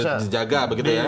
sekarang dijaga begitu ya